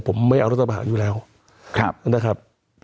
ผมไม่เอารัฐบาลอยู่แล้วนะครับ